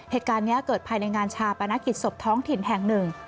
เหตุการณ์นี้เกิดภายในงานชาปนกิจศพท้องถิ่นแห่งหนึ่ง